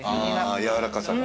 ああやわらかさが。